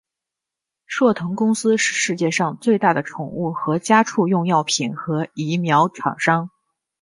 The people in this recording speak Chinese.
硕腾公司是世界上最大的宠物和家畜用药品和疫苗厂商。